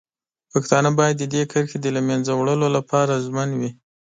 پښتانه باید د دې کرښې د له منځه وړلو لپاره ژمن وي.